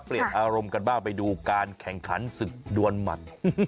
เปลี่ยนอารมณ์กันบ้างไปดูการแข่งขันศึกดวนหมัด